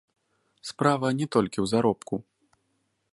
Справа не толькі ў заробку.